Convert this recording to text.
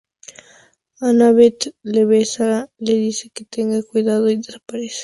Annabeth le besa, le dice que tenga cuidado y desaparece.